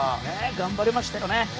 頑張りましたよね。